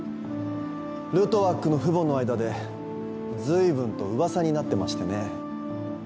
ルトワックの父母の間で随分と噂になってましてね。